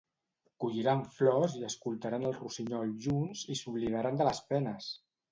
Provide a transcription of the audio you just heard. Colliran flors i escoltaran el rossinyol junts, i s'oblidaran de les penes!